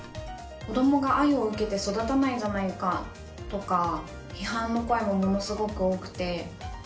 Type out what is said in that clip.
「子供が愛を受けて育たないじゃないか」とか批判の声もものすごく多くて。